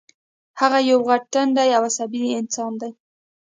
هغه یو غټ ټنډی او عصبي انسان دی